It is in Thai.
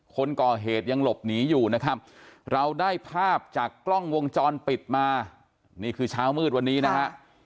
คนก่อเหตุยังหลบหนีอยู่นะครับเราได้ภาพจากกล้องวงจรปิดมานี่คือเช้ามืดวันนี้นะฮะ